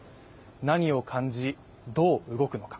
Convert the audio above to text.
何を感じ、どう動くのか。